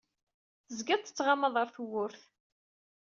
Tezgiḍ tettɣamaḍ ar tewwurt.